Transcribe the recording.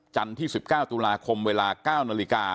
จันที่๑๙ตุลาคมเวลา๙น